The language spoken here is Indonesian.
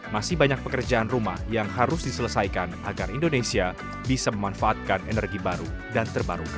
masih banyak pekerjaan rumah yang harus diselesaikan agar indonesia bisa memanfaatkan energi baru dan terbarukan